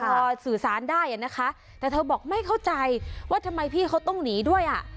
พอสื่อสารได้อ่ะนะคะแต่เธอบอกไม่เข้าใจว่าทำไมพี่เขาต้องหนีด้วยอ่ะ